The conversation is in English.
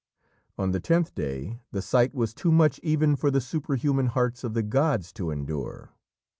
On the tenth day, the sight was too much even for the superhuman hearts of the gods to endure.